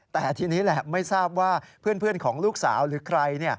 แต่ทีนี้แหละไม่ทราบว่าเพื่อนของลูกสาวหรือใคร